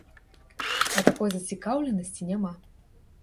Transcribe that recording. А такой зацікаўленасці няма.